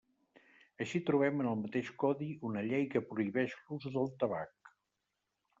Així trobem en el mateix codi una llei que prohibeix l'ús del tabac.